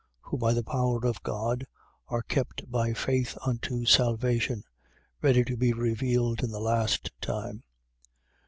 Who, by the power of God, are kept by faith unto salvation, ready to be revealed in the last time.